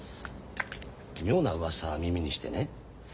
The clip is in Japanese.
妙なうわさ耳にしてね。